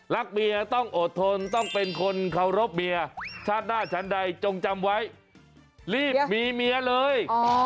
เมียต้องอดทนต้องเป็นคนเคารพเมียชาติหน้าชั้นใดจงจำไว้รีบมีเมียเลย